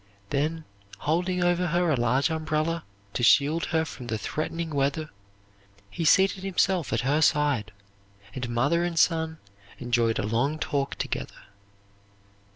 Then holding over her a large umbrella, to shield her from the threatening weather, he seated himself at her side, and mother and son enjoyed a long talk together."